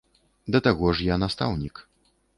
Да таго ж я настаўнік.